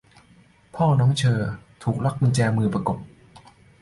'พ่อน้องเฌอ' ถูกล็อคกุญแจมือประกบ